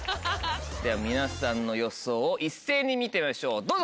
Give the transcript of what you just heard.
では皆さんの予想を一斉に見てみましょうどうぞ！